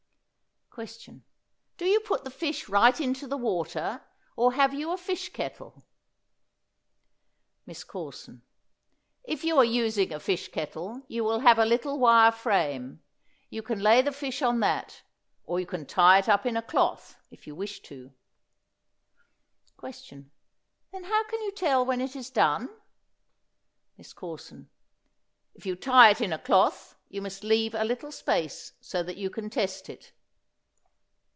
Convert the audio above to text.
Question. Do you put the fish right into the water, or have you a fish kettle? MISS CORSON. If you are using a fish kettle you will have a little wire frame. You can lay the fish on that, or you can tie it up in a cloth, if you wish to. Question. Then how can you tell when it is done? MISS CORSON. If you tie it in a cloth you must leave a little space so that you can test it.